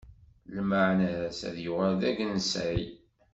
Lmeɛna-s ad yuɣal d agensay.